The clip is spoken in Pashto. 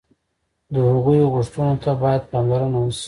د هغوی غوښتنو ته باید پاملرنه وشي.